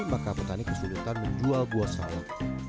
maka petani kesulitan menjual buah salon